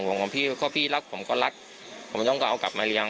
ใช่ครับคือมันเป็นของรักของผมพี่รักผมก็รักผมไม่ต้องการเอากลับมาเลี้ยง